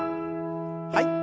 はい。